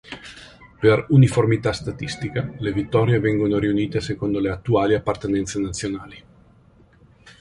Per uniformità statistica, le vittorie vengono riunite secondo le "attuali" appartenenze nazionali.